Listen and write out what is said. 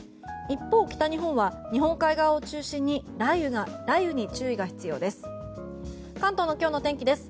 一方、北日本は日本海側を中心に雷雨に注意が必要です。